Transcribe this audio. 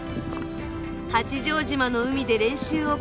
八丈島の海で練習を重ね